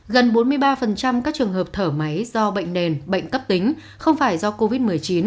gần bốn mươi ba các trường hợp thở máy do bệnh nền bệnh cấp tính không phải do covid một mươi chín